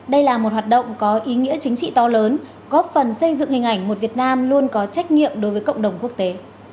đây là một hoạt động có ý nghĩa chính trị to lớn góp phần xây dựng hình ảnh một việt nam luôn có trách nhiệm đối với cộng đồng quốc tế